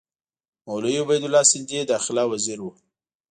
مولوي عبیدالله سندي داخله وزیر وو.